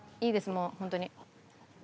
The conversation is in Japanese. もうホントに。